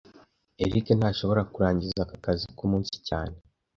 Eric ntashobora kurangiza aka kazi kumunsi cyane